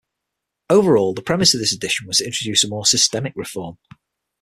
Overall, the premise of this addition was to introduce a more systemic reform.